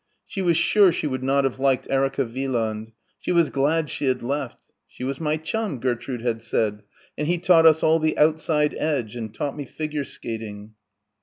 She was sure she would not have liked Erica Wieland. She was glad she had left. "She was my chum," Gertrude had said, "and he taught us all the outside edge and taught me figure skating."